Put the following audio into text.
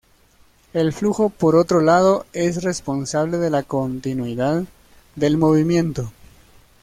El flujo por otro lado, es responsable de la continuidad del movimiento.